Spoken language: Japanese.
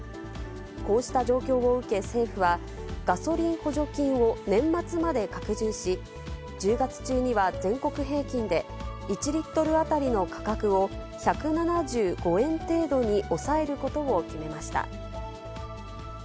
こうした状況を受け、政府は、ガソリン補助金を年末まで拡充し、１０月中には全国平均で、１リットル当たりの価格を１７５円程度に抑えることを決めました。